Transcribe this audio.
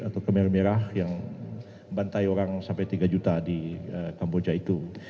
atau kamera merah yang bantai orang sampai tiga juta di kamboja itu